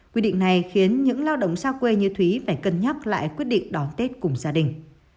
quy định này khiến những lao động xa quê như thúy phải cân nhắc lại quyết định đón tết cùng gia đình